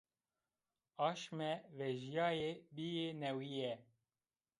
Aşme vejîyaye, bîye newîye